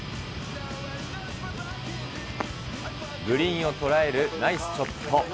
グリーンを捉えるナイスショット。